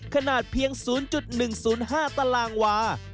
ขนาดเพียง๐๑๐๕ตารางวา